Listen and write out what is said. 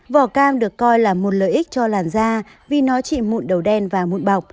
vỏ cam được coi là một lợi ích cho làn da vì nó chịu mụn đầu đen và mụn bọc